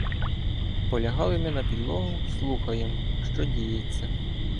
Полягали ми на підлогу, слухаємо, що діється.